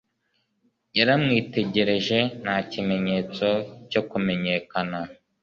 Yaramwitegereje nta kimenyetso cyo kumenyekana.